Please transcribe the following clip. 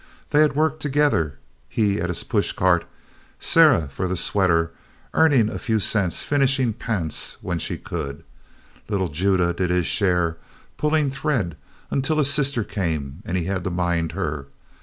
They had worked together, he at his push cart, Sarah for the sweater, earning a few cents finishing "pants" when she could. Little Judah did his share, pulling thread, until his sister came and he had to mind her.